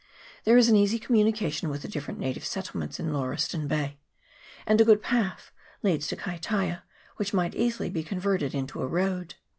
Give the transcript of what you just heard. There is an easy communication with the different native settlements in Lauriston Bay ; and a good path leads to Kai taia, which might easily be converted into a road.